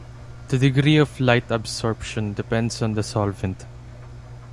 The degree of light absorption depends on the solvent.